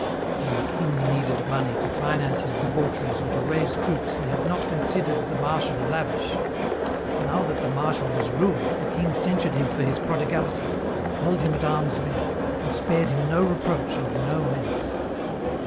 When the king needed money to finance his debaucheries or to raise troops he had not considered the Marshal lavish. Now that the Marshal was ruined the king censured him for his prodigality, held him at arm's length, and spared him no reproach and no menace.